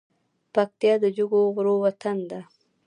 پکتیا د جګو غرو وطن ده .